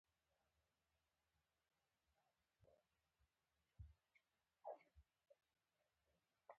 ښایي د ځینو استدلال دا وي چې داسې خرافات په هره ټولنه کې شته.